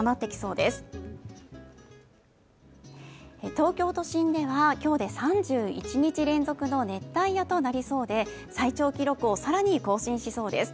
東京都心では今日で３１日連続の熱帯夜となりそうで最長記録を更に更新しそうです。